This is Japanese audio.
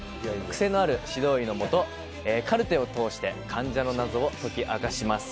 癖のある指導医の下、カルテを通して患者の謎を解き明かします。